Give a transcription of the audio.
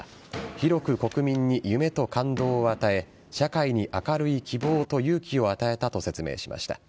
広く国民に夢と感動を与え社会に明るい希望と勇気を与えたと説明しました。